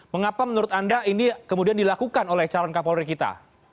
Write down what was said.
mengapa menurut anda ini kemudian dilakukan oleh calon kapolri kita